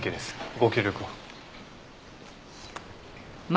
ご協力を。